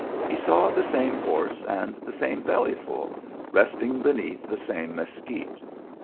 He saw the same horse and the same Bellyful resting beneath the same mesquite.